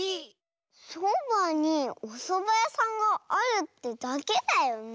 そばにおそばやさんがあるってだけだよね？